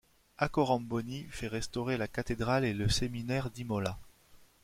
Accoramboni fait restaurer la cathédrale et le séminaire d'Imola.